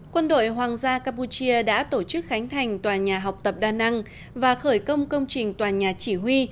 quân đội hoàng gia campuchia đã tổ chức khánh thành tòa nhà học tập đa năng và khởi công công trình tòa nhà chỉ huy